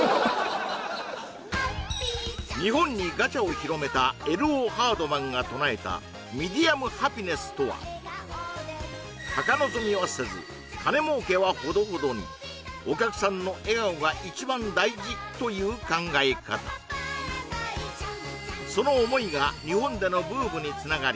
日本にガチャを広めたＬ．Ｏ．ハードマンが唱えたミディアムハピネスとはお客さんの笑顔が一番大事という考え方その思いが日本でのブームにつながり